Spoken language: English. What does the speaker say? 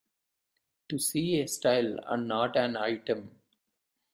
To see a style and not an item.